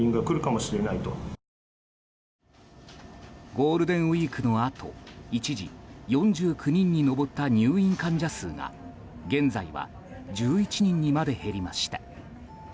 ゴールデンウィークのあと一時、４９人に上った入院患者数が現在は１１人にまで減りました。